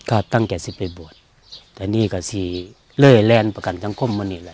ก็ตั้งใจจะไปบวชแต่นี่ก็จะเลื่อยแลนด์ประกันจังคมมันนี่ล่ะ